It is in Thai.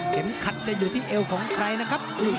ขัดจะอยู่ที่เอวของใครนะครับ